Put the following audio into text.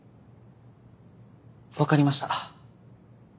分かりました。